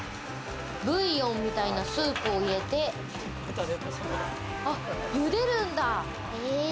ブイヨンみたいなスープを入れて茹でるんだ。